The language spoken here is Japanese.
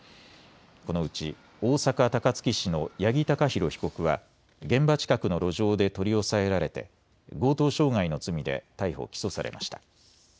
このうち大阪高槻市の八木貴寛被告は現場近くの路上で取り押さえられて強盗傷害の罪で逮捕・起訴されました。